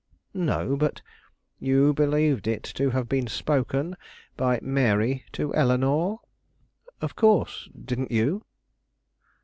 "No, but " "You believed it to have been spoken by Mary to Eleanore?" "Of course; didn't you?"